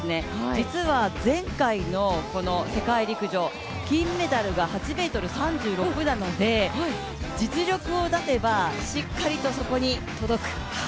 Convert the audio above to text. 実は前回のこの世界陸上、金メダルが８ｍ３６なので、実力を出せばしっかりとそこに届く。